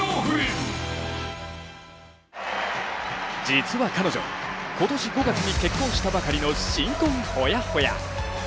実は彼女、今年５月に結婚したばかりの新婚ほやほや。